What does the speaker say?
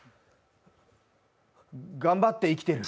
頑張って生きてる。